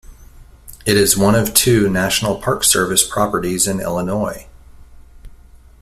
It is one of two National Park Service properties in Illinois.